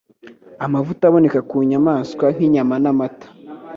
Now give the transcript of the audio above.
Amavuta aboneka ku nyamaswa nk'inyama n'amata